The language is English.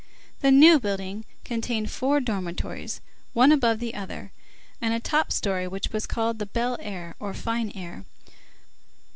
The New Building contained four dormitories, one above the other, and a top story which was called the Bel Air (Fine Air).